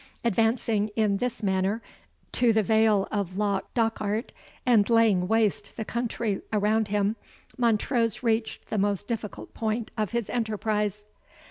Advancing in this manner to the vale of Loch Dochart, and laying waste the country around him, Montrose reached the most difficult point of his enterprise.